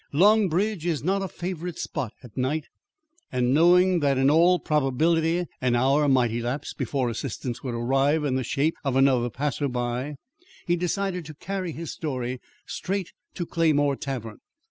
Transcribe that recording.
"Long Bridge is not a favourite spot at night, and, knowing that in all probability an hour might elapse before assistance would arrive in the shape of another passer by, he decided to carry his story straight to Claymore Tavern.